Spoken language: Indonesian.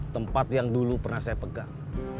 tempat yang dulu pernah saya pegang